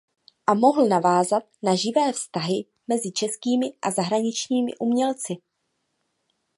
A mohl navázat na živé vztahy mezi českými a zahraničními umělci.